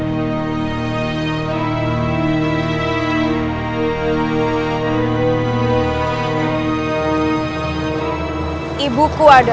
yang telah dibunuh oleh jayakatua